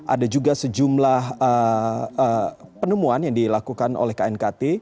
ada juga sejumlah penemuan yang dilakukan oleh knkt